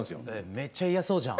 めっちゃ嫌そうじゃん。